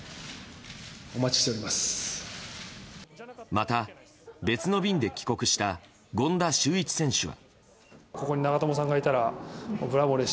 また、別の便で帰国した権田修一選手は。